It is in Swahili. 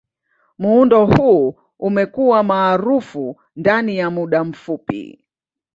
Muundo huu umekuwa maarufu ndani ya muda mfupi.